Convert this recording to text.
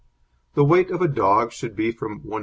The weight of a dog should be from 170 lbs.